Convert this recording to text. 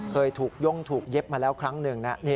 เคยถูกย่งถูกเย็บมาแล้วครั้งหนึ่ง